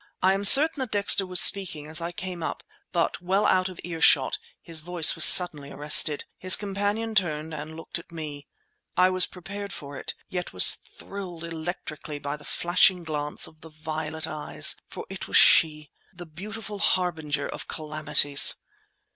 I am certain that Dexter was speaking as I came up, but, well out of earshot, his voice was suddenly arrested. His companion turned and looked at me. I was prepared for it, yet was thrilled electrically by the flashing glance of the violet eyes—for it was she—the beautiful harbinger of calamities!